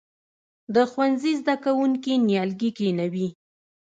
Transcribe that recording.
د ښوونځي زده کوونکي نیالګي کینوي؟